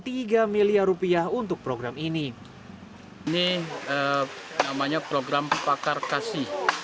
tiga miliar rupiah untuk program ini ini namanya program pakar kasih